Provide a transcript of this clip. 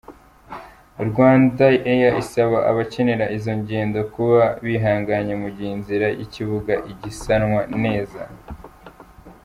Rwandair isaba abakenera izo ngendo kuba bihanganye mu gihe inzira y’ikibuga igisanwa neza.